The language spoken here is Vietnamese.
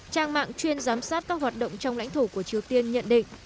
trang mạng chuyên giám sát các hoạt động trong lãnh thổ của triều tiên nhận định